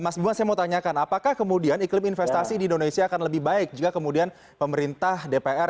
mas buma saya mau tanyakan apakah kemudian iklim investasi di indonesia akan lebih baik jika kemudian pemerintah dpr